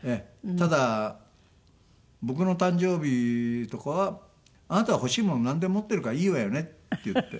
ただ僕の誕生日とかは「あなたは欲しいものなんでも持ってるからいいわよね」って言って。